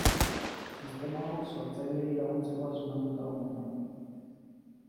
Sistema hau sortzaileei laguntzeko asmatuta omen dago.